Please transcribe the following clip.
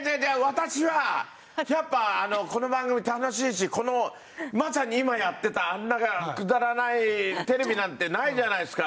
私はやっぱこの番組楽しいしこのまさに今やってたあんなくだらないテレビなんてないじゃないですか。